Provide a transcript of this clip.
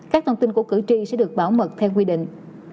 các thông tin của cử tri sẽ được bảo mật theo quy định